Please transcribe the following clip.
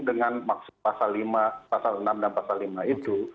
dengan maksud pasal lima pasal enam dan pasal lima itu